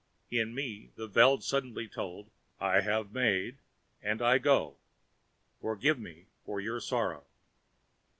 In me, the Veld suddenly told: "I have made, and I go. Forgive me for your sorrow."